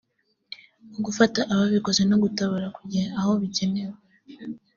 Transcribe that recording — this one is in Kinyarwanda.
mu gufata ababikoze no gutabara ku gihe aho bikenewe